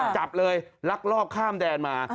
จับเลยลักลอบข้ามแดนมา